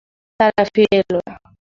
তারা ফিরে এলো না।